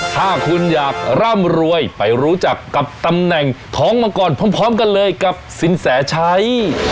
ถ้าคุณอยากร่ำรวยไปรู้จักกับตำแหน่งท้องมังกรพร้อมกันเลยกับสินแสชัย